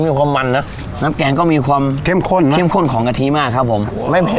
ที่ไปที่มาของข้าวผัดงานบวดก็จะประมาณว่า